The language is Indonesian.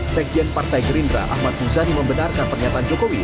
sekjen partai gerindra ahmad muzani membenarkan pernyataan jokowi